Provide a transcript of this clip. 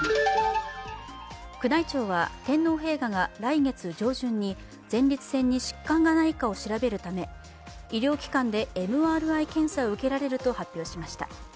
宮内庁は天皇陛下が来月上旬に前立腺に疾患がないかを調べるため医療機関でＭＲＩ検査を受けられると発表しました。